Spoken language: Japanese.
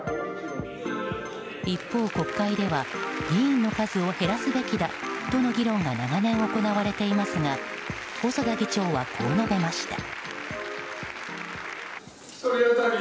一方、国会では議員の数を減らすべきだとの議論が長年行われていますが細田議長はこう述べました。